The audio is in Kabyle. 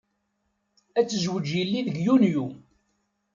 Ad tezweǧ yelli deg Yunyu.